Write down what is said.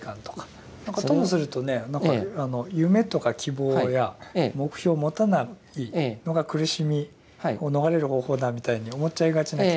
ともするとねなんか夢とか希望や目標を持たないのが苦しみを逃れる方法だみたいに思っちゃいがちな気もするんですけど。